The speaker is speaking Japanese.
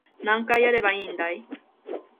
何回やればいいんだい